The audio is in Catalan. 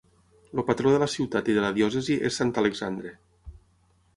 El patró de la ciutat i de la diòcesi és Sant Alexandre.